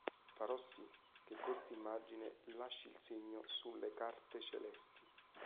Farò sì che questa immagine lasci il segno sulle carte celesti.